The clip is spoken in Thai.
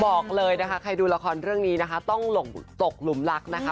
บอกเลยนะคะใครดูละครเรื่องนี้นะคะต้องหลงตกหลุมรักนะคะ